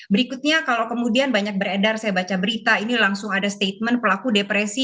berikutnya kalau kemudian banyak beredar saya baca berita ini langsung ada statement pelaku depresi